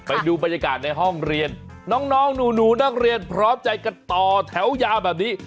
ไปดูบรรยากาศในห้องเรียนน้องหนูนักเรียนพร้อมใจกันต่อแถวยาวแบบนี้